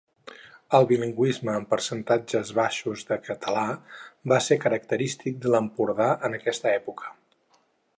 El bilingüisme amb percentatges baixos de català va ser característic de l'Empordà en aquesta època.